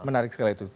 menarik sekali itu